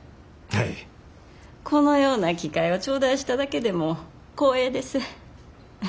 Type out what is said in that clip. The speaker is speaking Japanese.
このような機会を頂戴しただけでも光栄です。